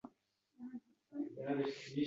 Men liberalman.